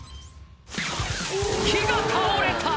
木が倒れた！